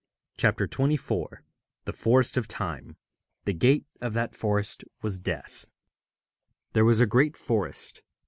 CHAPTER XXIV THE FOREST OF TIME 'The gate of that forest was Death.' There was a great forest.